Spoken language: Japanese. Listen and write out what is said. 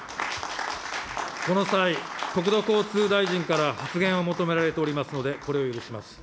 この際、国土交通大臣から発言を求められておりますので、これを許します。